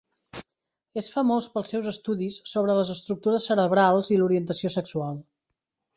És famós pels seus estudis sobre les estructures cerebrals i l'orientació sexual.